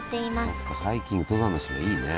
そっかハイキング登山の人にはいいね。